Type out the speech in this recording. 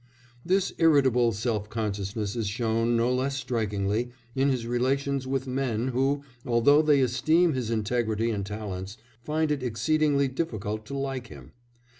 This irritable self consciousness is shown no less strikingly in his relations with men who, although they esteem his integrity and talents, find it exceedingly difficult to like him.